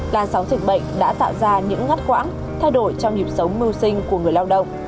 đan sáu dịch bệnh đã tạo ra những ngắt quãng thay đổi trong nhịp sống mưu sinh của người lao động